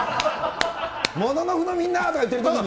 もののふのみんなとか言ってるときに。